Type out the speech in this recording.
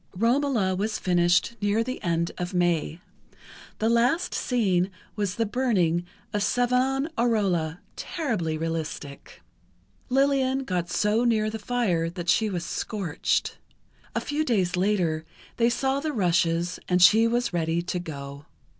"Romola" was finished near the end of May. The last scene was the burning of Savonarola, terribly realistic. Lillian got so near the fire that she was scorched. A few days later they saw the rushes and she was ready to go.